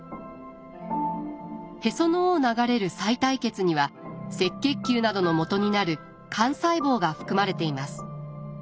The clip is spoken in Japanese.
へその緒を流れるさい帯血には赤血球などのもとになる幹細胞が含まれています。